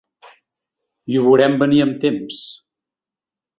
I ho veurem venir amb temps.